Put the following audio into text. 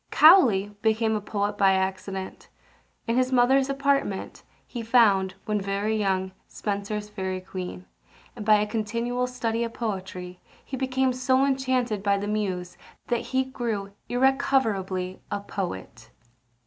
Cowley became a poet by accident. In his mother's apartment he found, when very young, Spenser's Fairy Queen; and, by a continual study of poetry, he became so enchanted by the Muse, that he grew irrecoverably a poet.